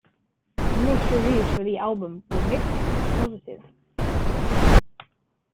Most reviews for the album were mixed to positive.